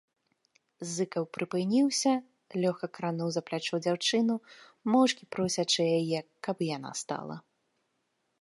Зыкаў прыпыніўся, лёгка крануў за плячо дзяўчыну, моўчкі просячы яе, каб і яна стала.